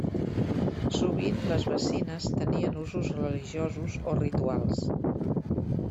Sovint les bacines tenien usos religiosos o rituals.